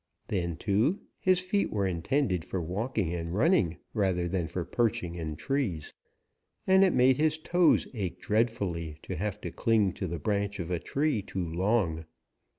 Then, too, his feet were intended for walking and running rather than for perching in trees, and it made his toes ache dreadfully to have to cling to the branch of a tree too long.